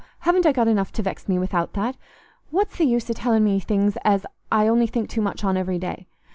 Haven't I got enough to vex me without that? What's th' use o' telling me things as I only think too much on every day?